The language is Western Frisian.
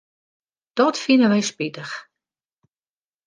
Dat fine wy spitich.